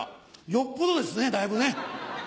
よっぽどですねだいぶね。